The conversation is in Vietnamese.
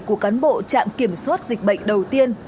của cán bộ trạm kiểm soát dịch bệnh đầu tiên